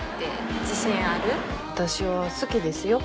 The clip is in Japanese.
私は好きですよ。